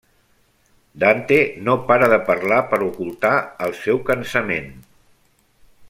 Dante no para de parlar per ocultar el seu cansament.